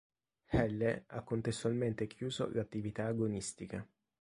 Helle ha contestualmente chiuso l'attività agonistica.